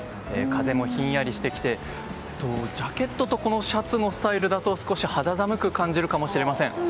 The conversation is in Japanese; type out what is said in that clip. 風もひんやりしてきてジャケットとシャツのスタイルだと少し肌寒く感じるかもしれません。